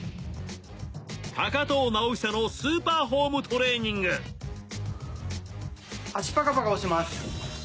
藤直寿のスーパーホームトレーニング足パカパカをします。